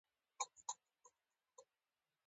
سرحدونه د افغان ماشومانو د لوبو موضوع ده.